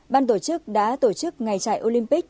ban tổ chức đã tổ chức ngày chạy olympic